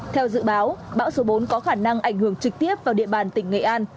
theo dự báo bão số bốn có khả năng ảnh hưởng trực tiếp vào địa bàn tỉnh nghệ an